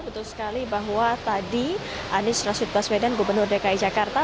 betul sekali bahwa tadi anies rashid baswedan gubernur dki jakarta